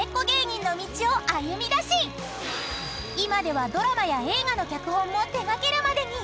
［今ではドラマや映画の脚本も手掛けるまでに］